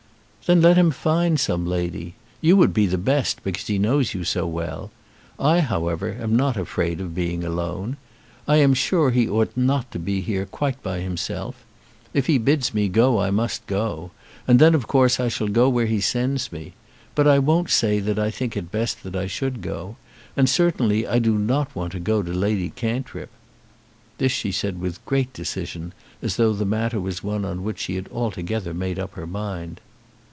"Then let him find some lady. You would be the best, because he knows you so well. I, however, am not afraid of being alone. I am sure he ought not to be here quite by himself. If he bids me go, I must go, and then of course I shall go where he sends me; but I won't say that I think it best that I should go, and certainly I do not want to go to Lady Cantrip." This she said with great decision, as though the matter was one on which she had altogether made up her mind.